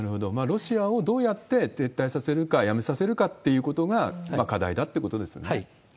ロシアをどうやって撤退させるか、やめさせるかっていうことが課題だっていうことですよね。